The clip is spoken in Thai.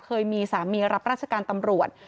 เคยมีสามีรับราชการตำรวจ